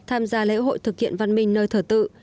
tham gia lễ hội thực hiện văn minh nơi thờ tự